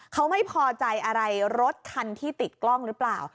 เขาไม่พอใจอะไรรถคันที่ติดกล้องหรือเปล่า